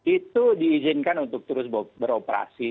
itu diizinkan untuk terus beroperasi